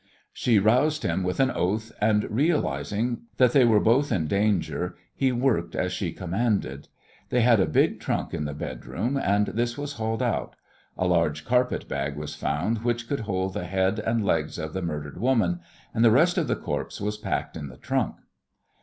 She roused him with an oath, and, realizing that they were both in danger, he worked as she commanded. They had a big trunk in the bedroom, and this was hauled out. A large carpet bag was found which could hold the head and legs of the murdered woman, and the rest of the corpse was packed in the trunk.